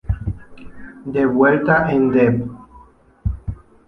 De vuelta en Dep.